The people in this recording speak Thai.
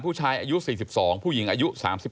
ผู้ชายอายุ๔๒ผู้หญิงอายุ๓๒